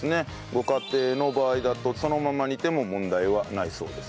ご家庭の場合だとそのまま煮ても問題はないそうです。